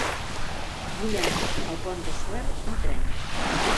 Vull anar al Pont de Suert amb tren.